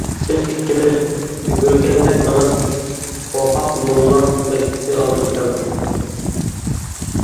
بىز ئىككىمىز يۈگۈرگەندەك مېڭىپ پوقاق موللام مەكتىپى ئالدىغا كەلدۇق.